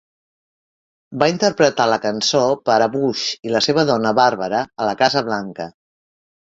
Va interpretar la cançó per a Bush i la seva dona Bàrbara a la Casa Blanca.